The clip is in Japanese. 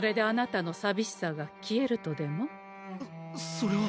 それは。